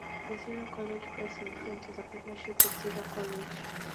The Sierra College Press imprint is a partnership with Sierra College.